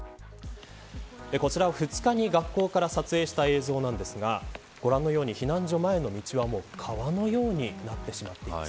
こちらは２日に学校から撮影した映像なんですがご覧のように、避難所前の道は川のようになってしまっています。